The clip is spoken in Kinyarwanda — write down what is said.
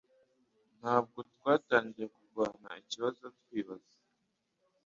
Ntabwo twatangiye kurwana ikibazo twibaza